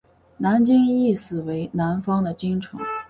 南京意思为南方的京城。